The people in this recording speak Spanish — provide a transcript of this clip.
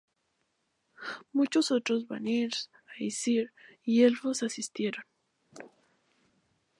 Muchos otros Vanir, Æsir, y elfos asistieron.